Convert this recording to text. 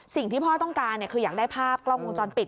สิ่งที่พ่อต้องการคืออยากได้ภาพกล้องวงจรปิด